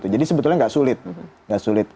jadi sebetulnya enggak sulit